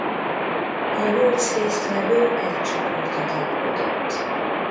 A nyolc résztvevő egy csoportot alkotott.